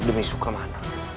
demi suka mana